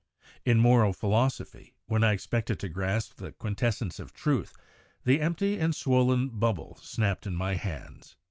In moral philosophy, when I expected to grasp the quintessence of truth, the empty and swollen bubble snapped in my hands.